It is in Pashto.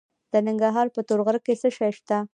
د ننګرهار په تور غره کې څه شی شته؟